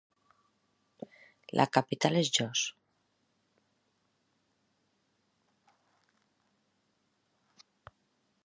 La capital és Jos.